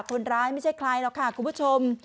ไม่ใช่ใครหรอกค่ะคุณผู้ชม